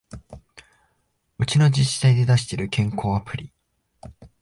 うちの自治体で出してる健康アプリ